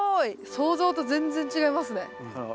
想像と全然違いますね。